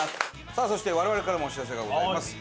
さあそして我々からもお知らせがございます。